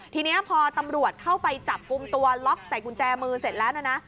ทีนี้พอตำรวจเข้าไปจับกลุ่มตัวล็อกใส่กุญแจมือเสร็จแล้วนะ